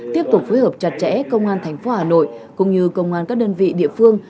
tiếp tục phối hợp chặt chẽ công an thành phố hà nội cũng như công an các đơn vị địa phương